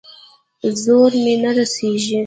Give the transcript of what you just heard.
زور مې نه رسېږي.